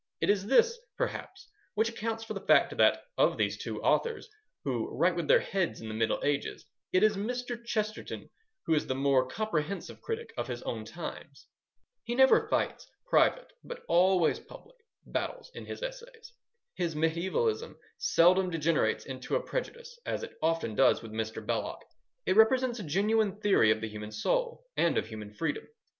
It is this, perhaps, which accounts for the fact that, of these two authors, who write with their heads in the Middle Ages, it is Mr. Chesterton who is the more comprehensive critic of his own times. He never fights private, but always public, battles in his essays. His mediaevalism seldom degenerates into a prejudice, as it often does with Mr. Belloc. It represents a genuine theory of the human soul, and of human freedom.